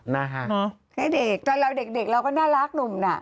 นะฮะให้เด็กตอนเราเด็กเราก็น่ารักหนุ่มน่ะ